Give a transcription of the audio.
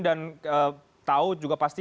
dan tahu juga pasti